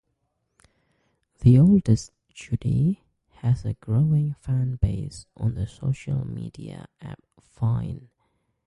The oldest, Judi, has a growing fanbase on the social media app vine.